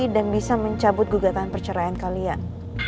dan bisa mencabut gugatan perceraian kalian